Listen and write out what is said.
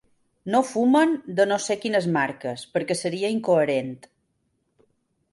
No fumen de no sé quines marques perquè seria incoherent.